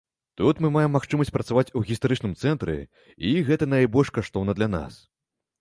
Тут мы маем магчымасць працаваць у гістарычным цэнтры і гэта найбольш каштоўна для нас.